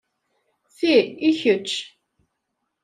Ti i kečč.